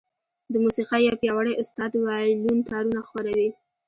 د موسيقۍ يو پياوړی استاد د وايلون تارونه ښوروي.